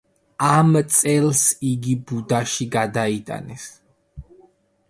ამ წელს იგი ბუდაში გადაიტანეს.